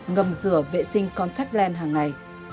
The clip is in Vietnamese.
ngầm rửa vệ sinh contact lens hàng ngày